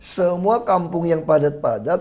semua kampung yang padat padat